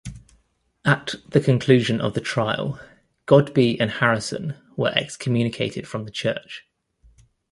At the conclusion of the trial, Godbe and Harrison were excommunicated from the church.